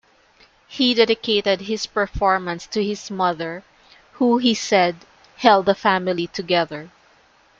He dedicated his performance to his mother who he said "held the family together".